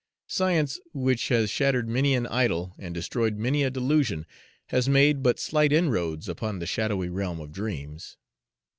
Science, which has shattered many an idol and destroyed many a delusion, has made but slight inroads upon the shadowy realm of dreams.